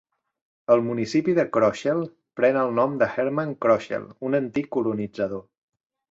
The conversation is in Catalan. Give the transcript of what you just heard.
El municipi de Kroschel pren el nom de Herman Kroschel, un antic colonitzador.